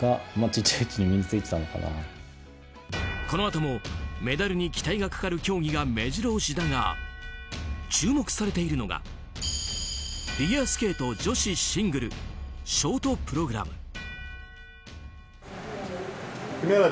このあとも、メダルに期待がかかる競技が目白押しだが注目されているのがフィギュアスケート女子シングルショートプログラム。